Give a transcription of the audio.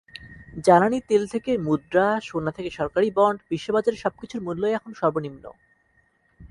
জ্বালানি তেল থেকে মুদ্রা, সোনা থেকে সরকারি বন্ড—বিশ্ববাজারে সবকিছুর মূল্যই এখন সর্বনিম্ন।